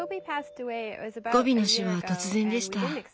ゴビの死は突然でした。